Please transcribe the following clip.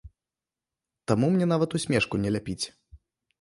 Таму мне нават усмешку не ляпіць.